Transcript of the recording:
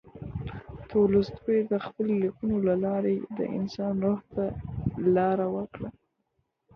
تولستوی د خپلو لیکنو له لارې د انسان روح ته لاره وکړه.